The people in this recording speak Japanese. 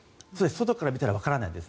外から見たらわからないです